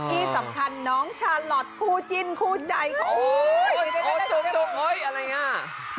อี้สำคัญน้องชาลอทคู่จิ้นคู่ใจโอ้ยโอ้ยจุบจุบโอ้ยอะไรง่ะ